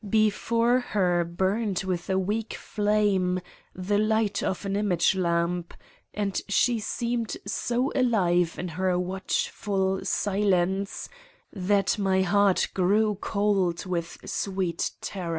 Before her burned with a weak flame the light of an image lamp, and she seemed so alive in her watchful silence that my heart grew cold with sweet terror.